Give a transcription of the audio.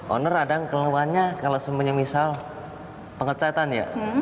owner kadang keluhannya kalau semuanya misal pengecatan ya